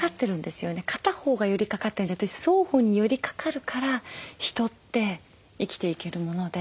片方が寄りかかってるんじゃなくて双方に寄りかかるから人って生きていけるもので。